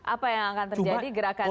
apa yang akan terjadi gerakannya